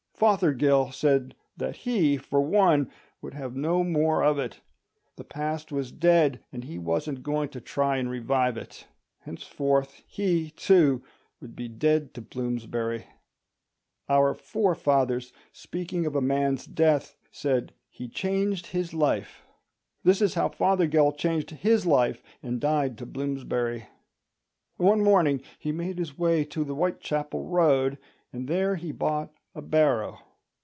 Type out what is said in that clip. Fothergill said that he, for one, would have no more of it. The past was dead, and he wasn't going to try to revive it. Henceforth he, too, would be dead to Bloomsbury. Our forefathers, speaking of a man's death, said "he changed his life." This is how Fothergill changed his life and died to Bloomsbury. One morning he made his way to the Whitechapel Road, and there he bought a barrow.